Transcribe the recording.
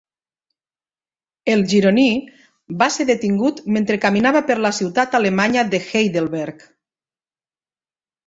El gironí va ser detingut mentre caminava per la ciutat alemanya de Heidelberg.